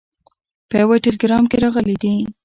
په یوه ټلګرام کې راغلي دي.